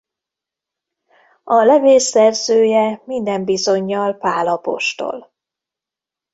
A levél szerzője minden bizonnyal Pál apostol.